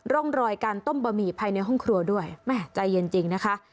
ร่องรอยการต้มบะหมี่ภายในห้องครัวด้วยแม่ใจเย็นจริงนะคะ